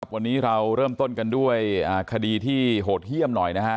วันนี้เราเริ่มต้นกันด้วยคดีที่โหดเยี่ยมหน่อยนะฮะ